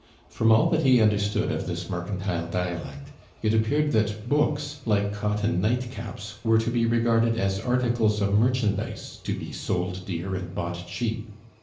From all that he understood of this mercantile dialect, it appeared that books, like cotton nightcaps, were to be regarded as articles of merchandise to be sold dear and bought cheap.